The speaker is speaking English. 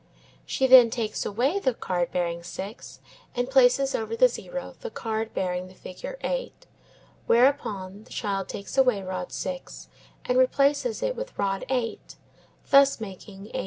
She then takes away the card bearing 6, and places over the zero the card bearing the figure 8, whereupon the child takes away rod 6 and replaces it with rod 8, thus making 18.